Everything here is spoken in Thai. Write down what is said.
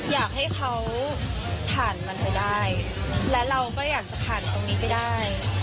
อยากให้เขาผ่านมันไปได้และเราก็อยากจะผ่านตรงนี้ไปได้